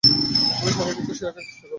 তুমি সবাইকে খুশি রাখার চেষ্টা করো।